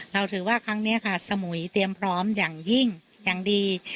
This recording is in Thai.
เราถือว่าครั้งนี้ค่ะสมุยเตรียมพร้อมอย่างยิ่งอย่างดี